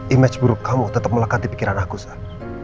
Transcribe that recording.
image buruk kamu tetap melekat di pikiran aku sal